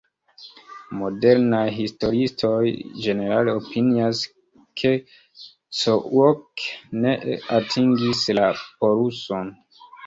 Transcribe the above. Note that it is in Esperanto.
Modernaj historiistoj ĝenerale opinias, ke Cook ne atingis la poluson.